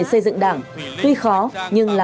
xây dựng đảng tuy khó nhưng là